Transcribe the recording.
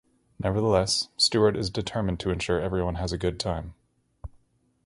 Nevertheless, Stuart is determined to ensure everyone has a good time.